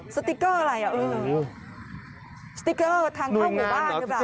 สติ๊กเกอร์อะไรหรือเปล่าสติ๊กเกอร์ทางเข้าหมู่บ้านหรือเปล่าหน่วยงานเหรอ